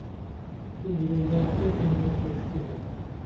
تو گُرمہ کیہ ٹیمہ اُرُشتینپ